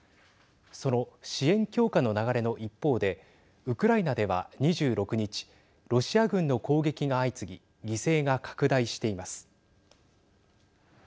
その支援強化の流れの一方でウクライナでは２６日ロシア軍の攻撃が相次ぎ犠牲が拡大しています。